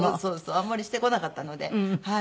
あんまりしてこなかったのではい。